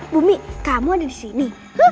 bumi kamu ada disini